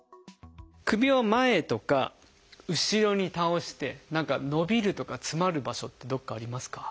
首を前とか後ろに倒して何か伸びるとか詰まる場所ってどこかありますか？